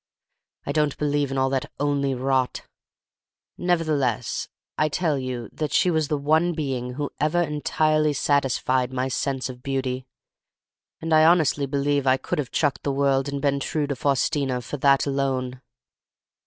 I don't believe in all that 'only' rot; nevertheless I tell you that she was the one being who ever entirely satisfied my sense of beauty; and I honestly believe I could have chucked the world and been true to Faustina for that alone.